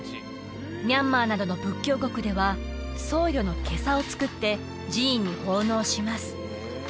ミャンマーなどの仏教国では僧侶の袈裟を作って寺院に奉納します